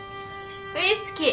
ウイスキー。